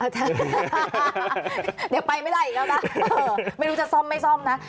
เดี๋ยวไปไม่ได้อีกแล้วนะไม่รู้จะซ่อมไม่ซ่อมนะ